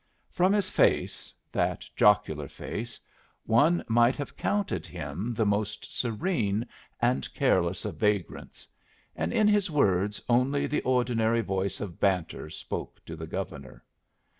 From his face that jocular mask one might have counted him the most serene and careless of vagrants, and in his words only the ordinary voice of banter spoke to the Governor.